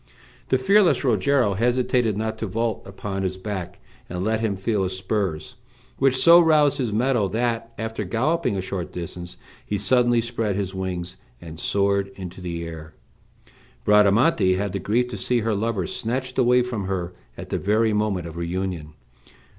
The fearless Rogero hesitated not to vault upon his back, and let him feel his spurs, which so roused his mettle that, after galloping a short distance, he suddenly spread his wings, and soared into the air. Bradamante had the grief to see her lover snatched away from her at the very moment of reunion.